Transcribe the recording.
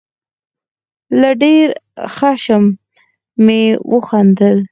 له ډېر خښم مې وخندل.